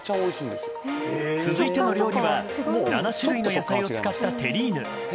続いての料理は７種類の野菜を使ったテリーヌ。